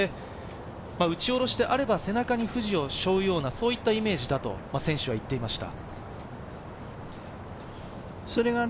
打ち下ろしであれば、背中に富士を背負うような、そういったイメージだと選手は言っていました。